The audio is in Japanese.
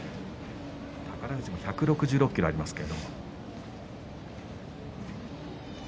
宝富士も１６６ｋｇありますけれども。